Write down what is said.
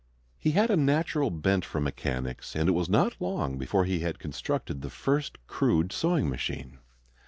He had a natural bent for mechanics, and it was not long before he had constructed the first crude sewing machine.